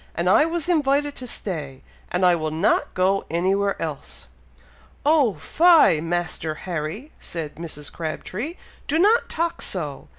and I was invited to stay, and I will not go anywhere else!" "Oh fie, Master Harry!" said Mrs. Crabtree. "Do not talk so!